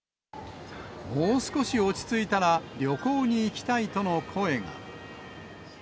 もう少し落ち着いたら、旅行に行きたいとの声が。